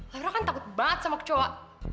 akhirnya kan takut banget sama kecoa